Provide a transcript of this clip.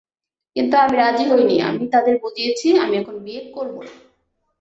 কিন্তু আমি রাজি হইনি, আমি তাঁদের বুঝিয়েছি, আমি এখন বিয়ে করব না।